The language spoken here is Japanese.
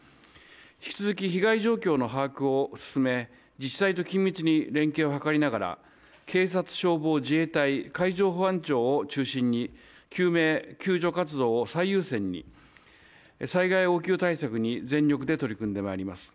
引き続き被害状況の把握を進め自治体と緊密に連携を図りながら警察、消防、自衛隊、海上保安庁を中心に、救命救助活動を最優先に、災害応急対策に全力で取り組んでまいります。